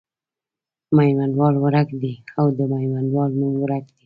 میوندوال ورک دی او د میوندوال نوم ورک دی.